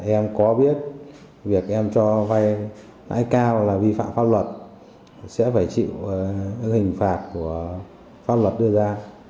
em có biết việc em cho vay lãi cao là vi phạm pháp luật sẽ phải chịu hình phạt của pháp luật đưa ra